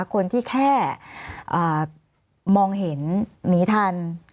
คนที่แค่มองเห็นหนีทัน